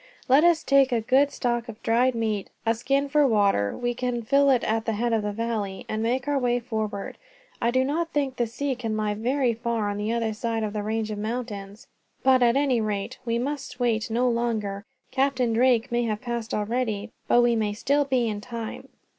Let us take a good stock of dried meat, a skin for water we can fill it at the head of the valley and make our way forward. I do not think the sea can lie very far on the other side of this range of mountains, but at any rate, we must wait no longer. Captain Drake may have passed already, but we may still be in time."